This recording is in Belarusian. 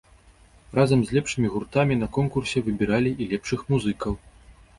Разам з лепшымі гуртамі на конкурсе выбіралі і лепшых музыкаў.